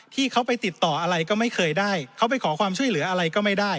ที่เขาไปติดต่ออะไรก็ไม่เคยได้เขาไปขอความช่วยเหลืออะไรก็ไม่ได้